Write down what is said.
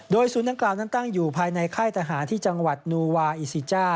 โดยศูนย์ตั้งอยู่ภายในค่ายทหารที่จังหวัดนูวาอิซิจ้า